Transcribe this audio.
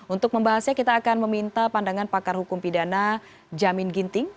untuk membahasnya kita akan meminta pandangan pakar hukum pidana jamin ginting